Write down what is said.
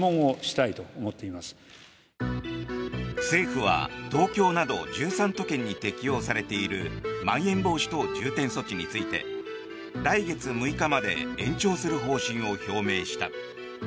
政府は東京など１３都県に適用されているまん延防止等重点措置について来月６日まで延長する方針を表明した。